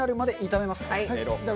炒めます。